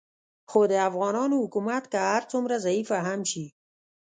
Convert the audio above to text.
خو د افغانانو حکومت که هر څومره ضعیفه هم شي